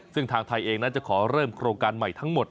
ซึ่งทางไทยเองนั้นจะขอเริ่มโครงการใหม่ทั้งหมด